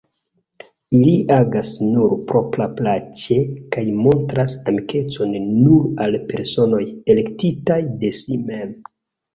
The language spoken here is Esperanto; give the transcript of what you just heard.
Ili agas nur propraplaĉe kaj montras amikecon nur al personoj, elektitaj de si mem.